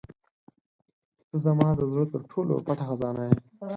• ته زما د زړه تر ټولو پټه خزانه یې.